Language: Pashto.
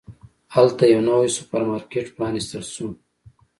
هلته یو نوی سوپرمارکېټ پرانستل شو.